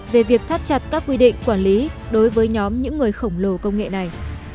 về việc thắt chặt các quy định quản lý đối với nhóm những người khổng lồ công nghệ này